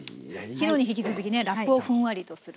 昨日に引き続きねラップをふんわりとする。